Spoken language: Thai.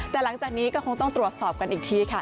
แต่หลังจากนี้ก็คงต้องตรวจสอบกันอีกทีค่ะ